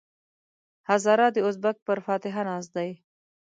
هزاره د ازبک پر فاتحه ناست دی.